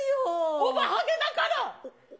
おばはげだから！